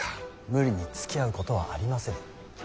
無理につきあうことはありませぬ。